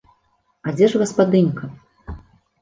А дзе ж гаспадынька?